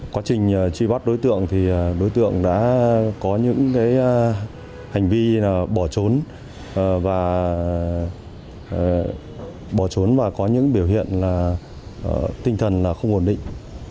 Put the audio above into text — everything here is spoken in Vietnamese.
quá trình truy bắt đối tượng thì đối tượng đã có những hành vi bỏ trốn và có những biểu hiện tinh thần không ổn định